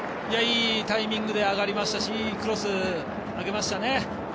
いいタイミングで上がりましたしいいクロスを上げましたね。